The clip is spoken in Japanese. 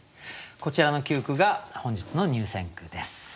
こちらの９句が本日の入選句です。